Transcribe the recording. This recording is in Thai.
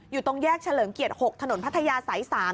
อยู่ตรงแยกเฉลิมเกียรติ๖ถนนพัทยาสาย๓